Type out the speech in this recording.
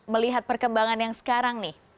melihat perkembangan yang sekarang nih